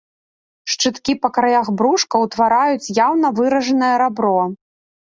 Шчыткі па краях брушка ўтвараюць яўна выражанае рабро.